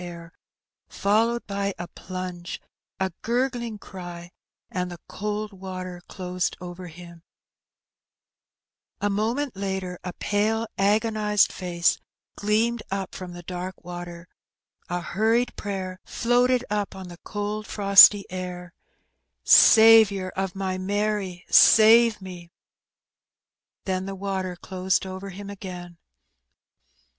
51 air, followed by a plunge, a gurgling cry, and the cold water closed over him, A moment later a pale agonized face gleamed up from the dark water, a hurried prayer floated up on the cold frosty air, '^ Saviour of my Mary, save me !" then the water closed over him again.